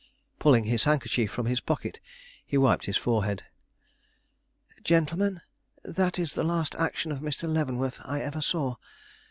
Pulling his handkerchief from his pocket, he wiped his forehead. "Gentlemen, that is the last action of Mr. Leavenworth I ever saw.